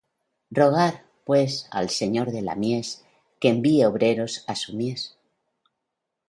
Rogad, pues, al Señor de la mies, que envíe obreros á su mies.